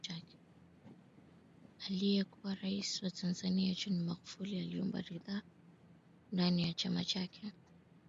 Aliyekuwa Rais wa Tanzania John Magufuli aliomba ridhaa ndani ya Chama chake